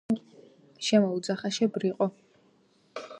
შემოუძახა: - შე ბრიყვო!